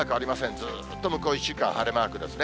ずっと向こう１週間晴れマークですね。